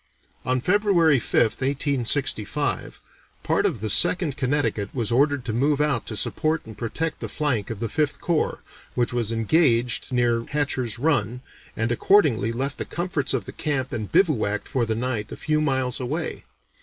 On February 5th (1865), part of the Second Connecticut was ordered to move out to support and protect the flank of the Fifth Corps, which was engaged near Hatcher's Run, and accordingly left the comforts of the camp and bivouacked for the night a few miles away.